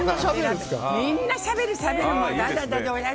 みんなしゃべる、しゃべる。